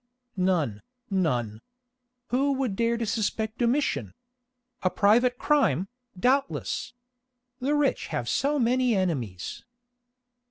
"None, none. Who would dare to suspect Domitian? A private crime, doubtless! The rich have so many enemies."